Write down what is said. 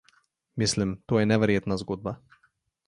Mislim, to je neverjetna zgodba.